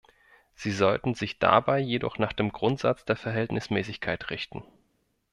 Sie sollten sich dabei jedoch nach dem Grundsatz der Verhältnismäßigkeit richten.